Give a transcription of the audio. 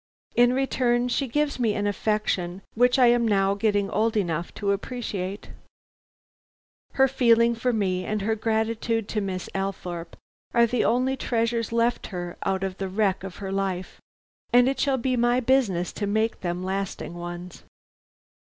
In return she gives me an affection which I am now getting old enough to appreciate. Her feeling for me and her gratitude to Miss Althorpe are the only treasures left her out of the wreck of her life, and it shall be my business to make them lasting ones.